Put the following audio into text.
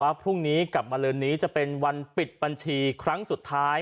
พรุ่งนี้กลับมาลืนนี้จะเป็นวันปิดบัญชีครั้งสุดท้าย